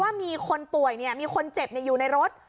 ว่ามีคนป่วยเนี่ยมีคนเจ็บเนี่ยอยู่ในรถ